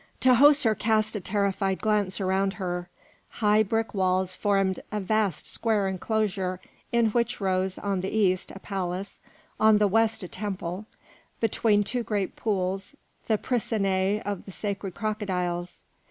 Tahoser cast a terrified glance around her. High brick walls formed a vast square enclosure in which rose on the east a palace, on the west a temple, between two great pools, the piscinæ of the sacred crocodiles.